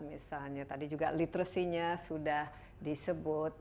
misalnya tadi juga literacynya sudah disebut